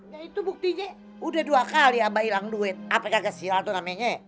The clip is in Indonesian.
ya itu buktinya udah dua kali abah hilang duit apa kagak sial tuh namanya